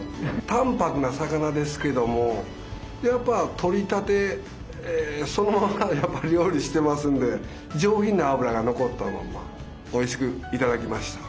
淡泊な魚ですけどもやっぱ取りたてそのままを料理してますんで上品な脂が残ったまんまおいしく頂きました。